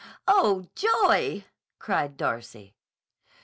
"Oh, joy!" cried Darcy.